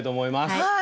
はい！